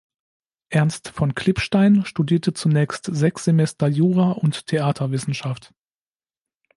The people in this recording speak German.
Ernst von Klipstein studierte zunächst sechs Semester Jura und Theaterwissenschaft.